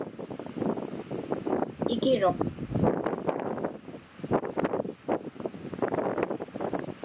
Ikiruq.